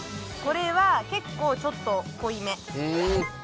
これは結構ちょっと濃いめ。